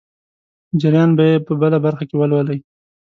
جریان به یې په بله برخه کې ولولئ.